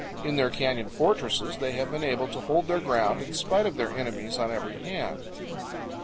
In their canyon fortresses they have been able to hold their ground in spite of their enemies on every hand.